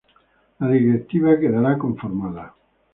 La directiva quedará conformada.